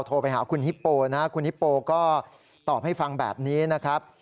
โทรไปหาคุณฮิปโปนะคุณฮิปโปก็ตอบให้ฟังแบบนี้นะครับ